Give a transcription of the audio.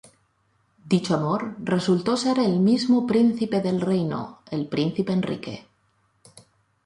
Dicho amor resultó ser el mismo príncipe del reino, el Príncipe Enrique.